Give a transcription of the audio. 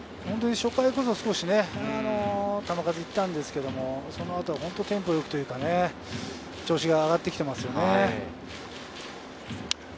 初回こそ少し球数いったんですけれど、その後ホントにテンポ良くというか、調子が上がってきてますよね。